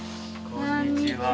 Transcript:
こんにちは。